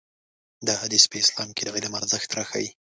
دا حديث په اسلام کې د علم ارزښت راښيي.